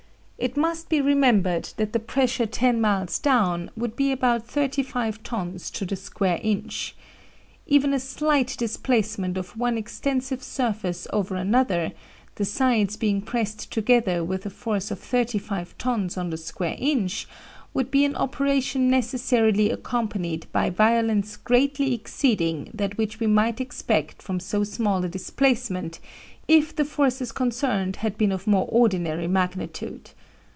It must be remembered that the pressure ten miles down would be about thirty five tons to the square inch. Even a slight displacement of one extensive surface over another, the sides being pressed together with a force of thirty five tons on the square inch, would be an operation necessarily accompanied by violence greatly exceeding that which we might expect from so small a displacement if the forces concerned had been of more ordinary magnitude.